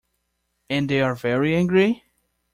And they are very angry?